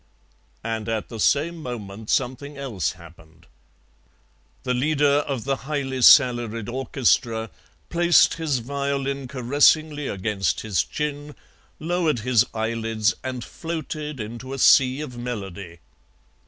And at the same moment something else happened. The leader of the highly salaried orchestra placed his violin caressingly against his chin, lowered his eyelids, and floated into a sea of melody.